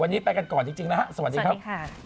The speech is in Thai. วันนี้ไปกันก่อนจริงนะฮะสวัสดีครับ